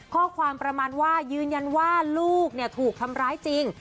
ประมาณว่ายืนยันว่าลูกถูกทำร้ายจริง